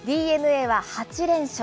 ＤｅＮＡは８連勝。